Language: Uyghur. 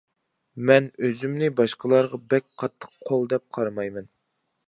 مەن ئۆزۈمنى باشقىلارغا بەك قاتتىق قول دەپ قارىمايمەن.